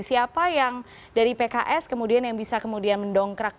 siapa yang dari pks kemudian yang bisa kemudian mendongkrak